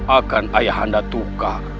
akan ayah anda tukar